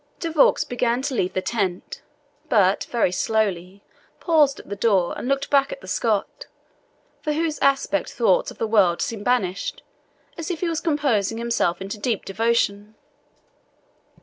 De Vaux began to leave the tent, but very slowly paused at the door, and looked back at the Scot, from whose aspect thoughts of the world seemed banished, as if he was composing himself into deep devotion.